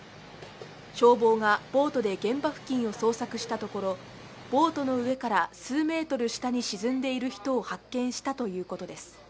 消防がボートで現場付近を捜索したところボートの上から数メートル下に沈んでいる人を発見したということです。